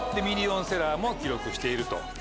ミリオンセラーも記録していると。